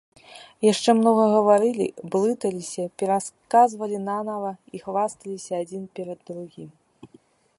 Яшчэ многа гаварылі, блыталіся, пераказвалі нанава і хвасталіся адзін перад другім.